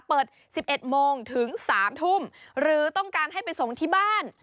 เปิด๑๑โมงถึง๓ทุ่มหรือต้องการให้ไปส่งที่บ้าน